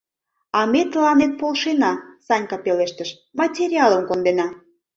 — А ме тыланет полшена, — Санька пелештыш, — материалым кондена.